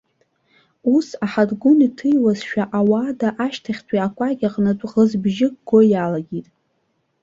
Ус, аҳаҭгәын иҭыҩуазшәа, ауада ашьҭахьтәи акәакь аҟынтә ӷызбжьык го иалагеит.